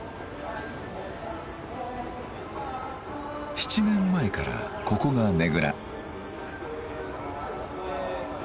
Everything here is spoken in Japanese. ７年前からここがねぐら。